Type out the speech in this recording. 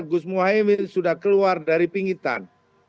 gus muhyiddin sudah keluar dari pinggitan